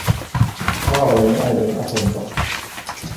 Paavalin äidin asunto.